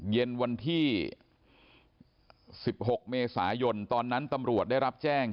เย็นวันที่๑๖เมษายนตอนนั้นตำรวจได้รับแจ้ง